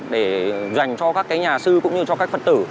để dành cho các cái nhà sư cũng như cho các phật tử